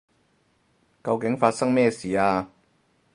究竟發生咩事啊？